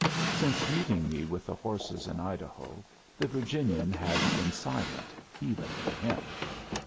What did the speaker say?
Since meeting me with the horses in Idaho the Virginian had been silent, even for him.